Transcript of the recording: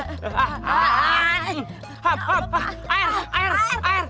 hah hah hah air air